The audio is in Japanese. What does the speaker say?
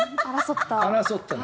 争ったの。